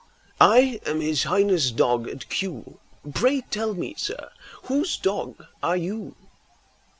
I am His Highness' dog at Kew; Pray tell me, sir, whose dog are you?